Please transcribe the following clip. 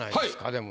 でも。